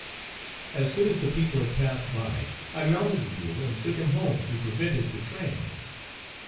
As soon as the people had passed by, I mounted the mule and took him home to prevent his betraying me.